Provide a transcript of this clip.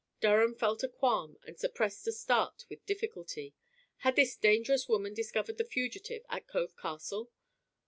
Durham felt a qualm and suppressed a start with difficulty. Had this dangerous woman discovered the fugitive at Cove Castle.